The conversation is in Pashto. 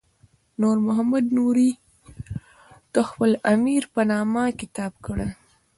نور محمد نوري تحفة الامیر په نامه کتاب کړی دی.